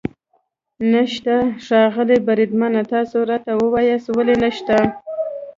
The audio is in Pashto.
نشته؟ ښاغلی بریدمنه، تاسې راته ووایاست ولې نشته.